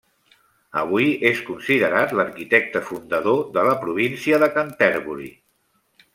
Avui, és considerat l'arquitecte fundador de la província de Canterbury.